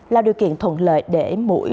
là điều kiện thuận lợi để mũi